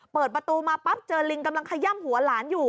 เปิดประตูมาปั๊บเจอลิงกำลังขย่ำหัวหลานอยู่